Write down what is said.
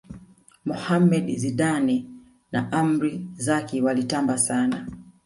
mohammed zidane na amri zaki walitamba sana